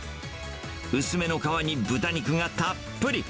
薄めの皮に豚肉がたっぷり。